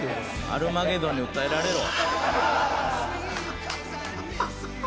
「『アルマゲドン』に訴えられろ」